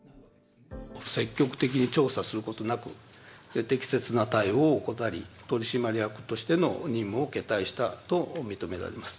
積極的に調査することなく、適切な対応を怠り、取締役としての任務を懈怠したと認められます。